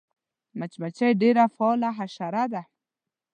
مچمچۍ ډېره فعاله حشره ده